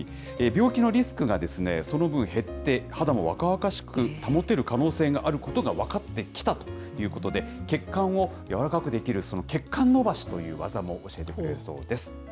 病気のリスクがその分減って、肌も若々しく保てる可能性があることが分かってきたということで、血管を柔らかくできる、その血管のばしという技も教えてくれるそうです。